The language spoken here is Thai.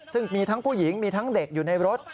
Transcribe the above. ซึ่งมีทั้งผู้หญิงมีทั้งเด็กอยู่ในรถ